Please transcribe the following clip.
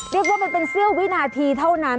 เรียกว่ามันเป็นเสี้ยววินาทีเท่านั้น